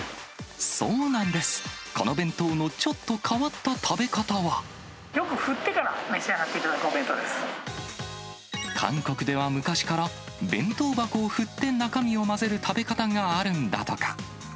そうなんです、この弁当のちょっと変わった食べ方は。よく振ってから召し上がって韓国では昔から、弁当箱を振って中身を混ぜる食べ方があるんだとか。